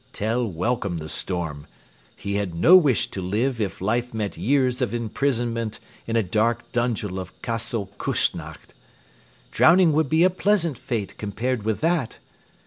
Tell welcomed the storm. He had no wish to live if life meant years of imprisonment in a dark dungeon of Castle Küssnacht. Drowning would be a pleasant fate compared with that.